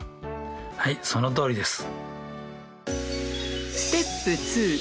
はいそのとおりです。